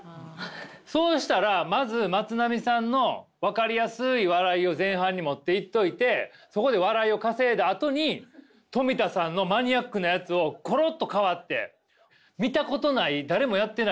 そうしたらまずまつなみさんの分かりやすい笑いを前半に持っていっといてそこで笑いを稼いだあとにトミタさんのマニアックなやつをコロッと変わって。